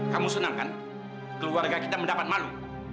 kamu senang kan keluarga kita mendapat malu